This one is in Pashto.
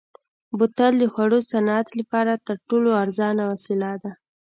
بوتل د خوړو صنعت لپاره تر ټولو ارزانه وسیله ده.